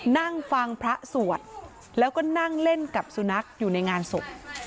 นั่งฟังพระสวดแล้วก็นั่งเล่นกับสุนัขอยู่ในงานศพ